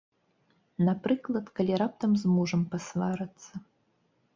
Напрыклад, калі раптам з мужам пасварацца.